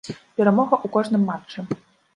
Перамога ў кожным матчы.